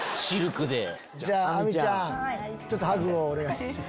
じゃあ亜美ちゃんちょっとハグをお願いします。